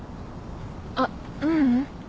あっううん。